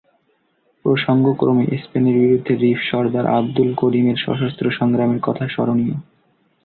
প্রসঙ্গক্রমে, স্পেনের বিরুদ্ধে রিফ্ সরদার আবদুল করিমের সশস্ত্র সংগ্রামের কথা স্মরণীয়।